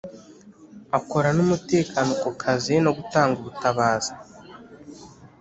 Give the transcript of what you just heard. Akora n’umutekano ku kazi no gutanga ubutabazi